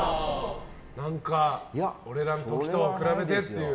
俺らの時と比べてっていう。